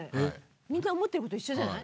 みんな思ってること一緒じゃない？